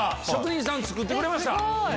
職人さん作ってくれました。